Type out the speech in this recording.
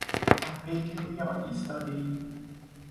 تپهای که روی آن ایستادهایم.